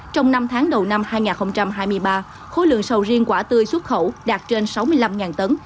trong năm tháng đầu năm hai nghìn hai mươi ba khối lượng sầu riêng quả tươi xuất khẩu đạt trên sáu mươi năm tấn